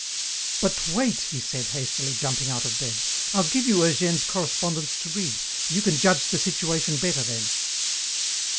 "But wait," he said hastily, jumping out of bed. "I'll give you Eugène's correspondence to read. You can judge the situation better then."